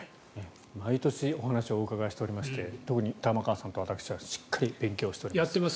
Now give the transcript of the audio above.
毎年お話をお伺いしておりまして特に玉川さんと私はしっかり勉強しております。